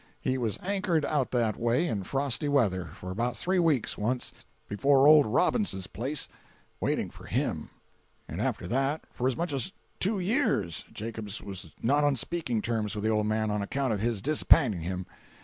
He was anchored out that way, in frosty weather, for about three weeks, once, before old Robbins's place, waiting for him; and after that, for as much as two years, Jacops was not on speaking terms with the old man, on account of his disapp'inting him.